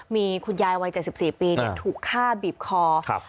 มีคุณยายวัยเจ็ดสิบสี่ปีเนี่ยถูกฆ่าบีบคอครับ